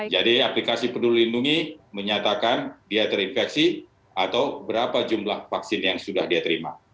jadi aplikasi peduli lindungi menyatakan dia terinfeksi atau berapa jumlah vaksin yang sudah dia terima